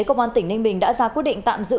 công an tỉnh ninh bình đã ra quyết định tạm giữ